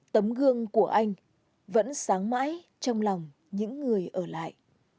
tấm gương của anh vẫn sáng mãi trong lòng những người ở lại